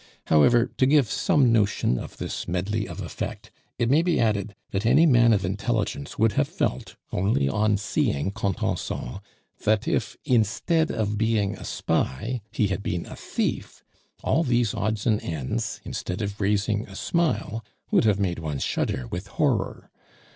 However, to give some notion of this medley of effect, it may be added that any man of intelligence would have felt, only on seeing Contenson, that if instead of being a spy he had been a thief, all these odds and ends, instead of raising a smile, would have made one shudder with horror.